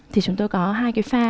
thì chúng tôi có hai cái pha